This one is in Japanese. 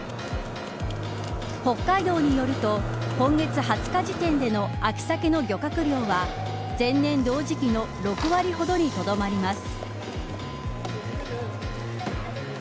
北海道によると今月２０日時点での秋サケの漁獲量は前年同時期の６割ほどにとどまります。